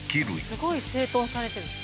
すごい整頓されてる。